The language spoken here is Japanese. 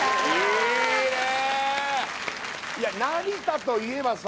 成田といえばさ